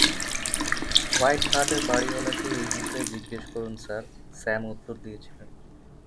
'white হার্টের বাড়িওয়ালিকে এই বিষয়ে জিজ্ঞেস করুন, স্যার,' স্যাম উত্তর দিয়েছিলেন